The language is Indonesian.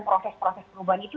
proses proses perubahan itu